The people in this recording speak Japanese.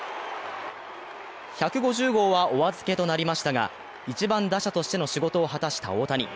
１５０号はお預けとなりましたが、１番打者としての仕事を果たした大谷。